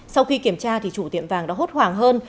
sau khi kiểm tra chủ tiệm vàng đã hốt hoảng hơn